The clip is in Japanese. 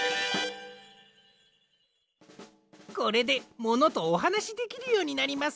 これでモノとおはなしできるようになります。